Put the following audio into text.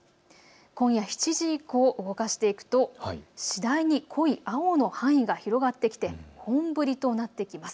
今夜７時以降、動かしていくと次第に濃い青の範囲が広がってきて本降りとなってきます。